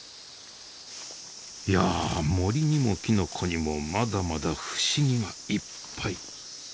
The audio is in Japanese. いや森にもきのこにもまだまだ不思議がいっぱい。